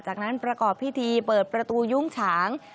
จากนั้นประกอบพิธีเปิดประตูยุ้งฉาง